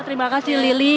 terima kasih lili